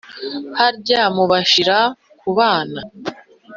harya mu bashira ku bana,